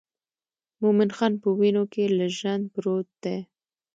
مومن خان په وینو کې لژند پروت دی.